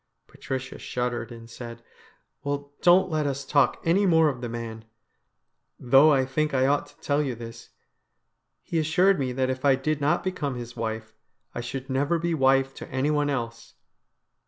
Patricia shuddered and said :' Well, don't let us talk any more of the man. Though I t hink I ought to tell you this, he assured me that if I did not become his wife, I should never be wife to anyone else.'